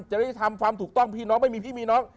จะได้ทำความถูกต้องพี่น้องไม่มีพี่มีน้อง